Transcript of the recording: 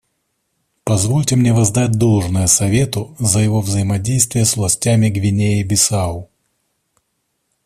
Позвольте мне воздать должное Совету за его взаимодействие с властями Гвинеи-Бисау.